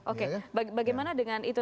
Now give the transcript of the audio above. oke bagaimana dengan itu